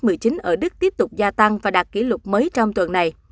số ca mắc covid một mươi chín ở đức tiếp tục gia tăng và đạt kỷ lục mới trong tuần này